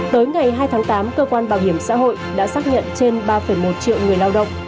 tới ngày hai tháng tám cơ quan bảo hiểm xã hội đã xác nhận trên ba một triệu người lao động